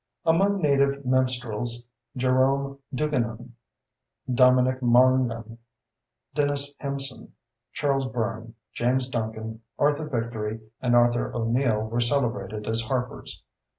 Among native minstrels, Jerome Duigenan, Dominic Mongan, Denis Hempson, Charles Byrne, James Duncan, Arthur Victory, and Arthur O'Neill were celebrated as harpers.